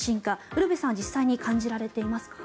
ウルヴェさんは実際に感じられていますか？